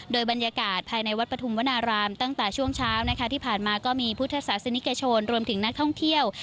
โดยบรรยากาศภายในวัดปฐุมวนารามตั้งแต่ช่วงเช้านะคะที่ผ่านมาก็มีพุทธศาสนิกชนรวมถึงนักท่องเที่ยว